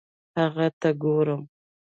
هغه ته ګورم